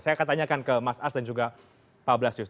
saya akan tanyakan ke mas ars dan juga pak blasius